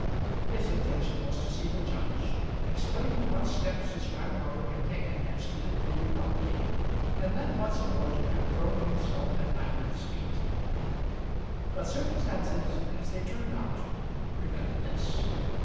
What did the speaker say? His intention was to see the judge, explaining what steps his grandfather had taken as to The Cleeve property, and then once more to have thrown himself at Madeline's feet. But circumstances as they turned out prevented this.